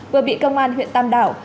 vừa bị công an huyện tam đảo